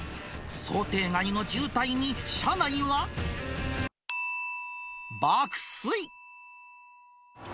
想定外の渋滞に、車内は。爆睡。